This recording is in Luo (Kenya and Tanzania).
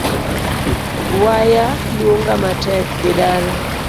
Waya luonga matek.dhi dala.